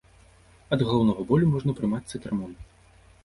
Ад галаўнога болю можна прымаць цытрамон.